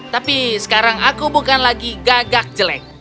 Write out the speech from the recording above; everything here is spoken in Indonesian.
tapi sekarang aku bukan lagi gagak jelek